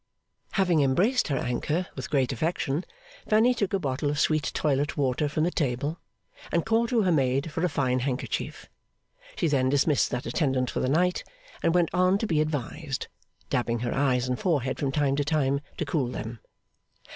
Having embraced her Anchor with great affection, Fanny took a bottle of sweet toilette water from the table, and called to her maid for a fine handkerchief. She then dismissed that attendant for the night, and went on to be advised; dabbing her eyes and forehead from time to time to cool them.